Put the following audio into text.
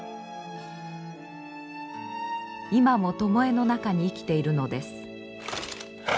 今も巴の中に生きているのです。